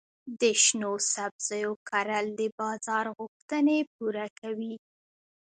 د شنو سبزیو کرل د بازار غوښتنې پوره کوي.